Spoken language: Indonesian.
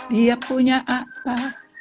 dia punya apa